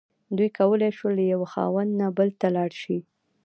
دوی کولی شول له یوه خاوند نه بل ته لاړ شي.